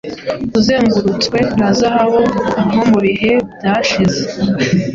Uzengurutswe na zahabunko mubihe byashize